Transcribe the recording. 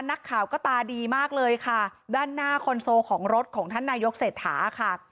นักข่าวก็ตาดีมากเลยค่ะด้านหน้าคอนโซลของรถของท่านนายกเศรษฐาค่ะ